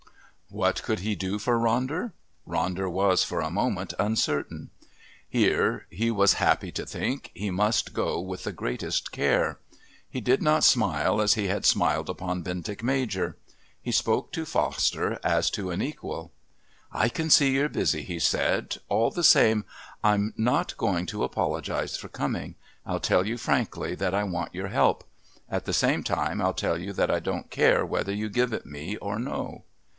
What could he do for Ronder? Ronder was, for a moment, uncertain. Here, he was happy to think, he must go with the greatest care. He did not smile as he had smiled upon Bentinck Major. He spoke to Foster as to an equal. "I can see you're busy," he said. "All the same I'm not going to apologise for coming. I'll tell you frankly that I want your help. At the same time I'll tell you that I don't care whether you give it me or no."